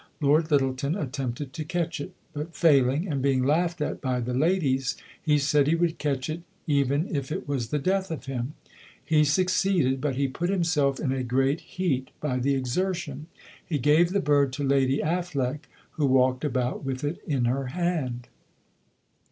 Lord Lyttelton attempted to catch it, but failing, and being laughed at by the ladies, he said he would catch it even if it was the death of him. He succeeded, but he put himself in a great heat by the exertion. He gave the bird to Lady Affleck, who walked about with it in her hand."